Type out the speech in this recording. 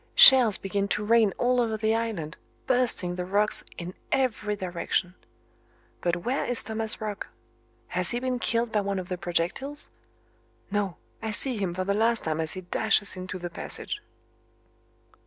Shells begin to rain all over the island, bursting the rocks in every direction. But where is Thomas Roch? Has he been killed by one of the projectiles? No, I see him for the last time as he dashes into the passage.